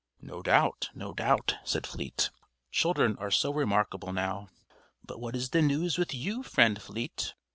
"No doubt, no doubt," said Fleet. "Children are so remarkable now." "But what is the news with you, Friend Fleet?"